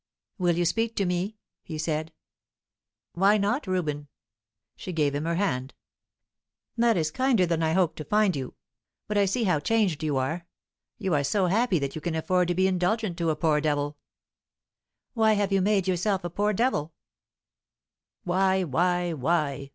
"Will you speak to me?" he said. "Why not, Reuben?" She gave him her hand. "That is kinder than I hoped to find you. But I see how changed you are. You are so happy that you can afford to be indulgent to a poor devil." "Why have you made yourself a poor devil!" "Why, why, why!